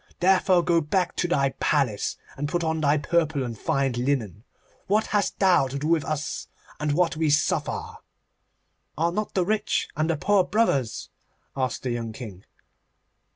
Therefore go back to thy Palace and put on thy purple and fine linen. What hast thou to do with us, and what we suffer?' 'Are not the rich and the poor brothers?' asked the young King.